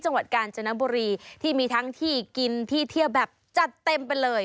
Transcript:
จังหวัดกาญจนบุรีที่มีทั้งที่กินที่เที่ยวแบบจัดเต็มไปเลย